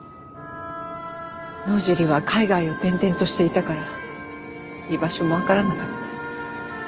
野尻は海外を転々としていたから居場所もわからなかった。